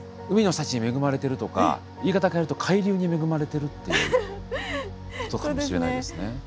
海の幸に恵まれてるとか言い方変えると海流に恵まれてるっていうことかもしれないですね。